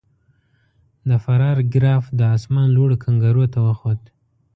د فرار ګراف د اسمان لوړو کنګرو ته وخوت.